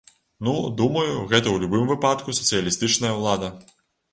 Ну, думаю, гэта ў любым выпадку сацыялістычная ўлада.